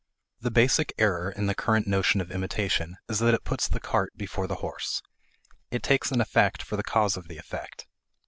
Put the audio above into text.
The basic error in the current notion of imitation is that it puts the cart before the horse. It takes an effect for the cause of the effect.